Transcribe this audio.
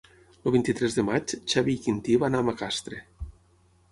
El vint-i-tres de maig en Xavi i en Quintí van a Macastre.